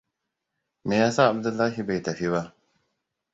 Me yasa Abdullahi bai tafi ba?